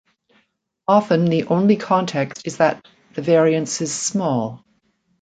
Often the only context is that the variance is "small".